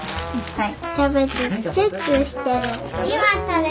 はい。